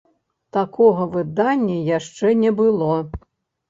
Такога выдання яшчэ не было.